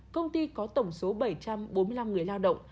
công ty có tổng số bảy trăm bốn mươi năm người lao động